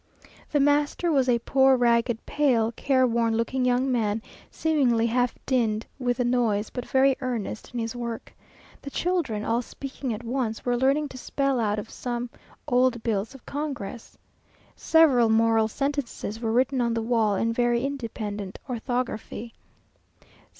The master was a poor, ragged, pale, careworn looking young man, seemingly half dinned with the noise, but very earnest in his work. The children, all speaking at once, were learning to spell out of some old bills of Congress. Several moral sentences were written on the wall in very independent orthography.